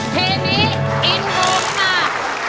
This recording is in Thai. เพลงนี้อิทธิ่งมาก